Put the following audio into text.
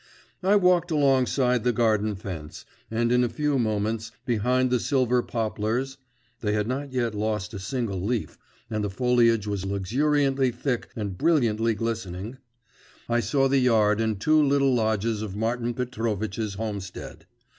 I walked alongside the garden fence, and in a few moments, behind the silver poplars (they had not yet lost a single leaf, and the foliage was luxuriantly thick and brilliantly glistening), I saw the yard and two little lodges of Martin Petrovitch's homestead.